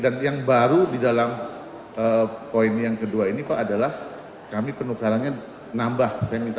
dan yang baru di dalam poin yang kedua ini pak adalah kami penukarannya nambah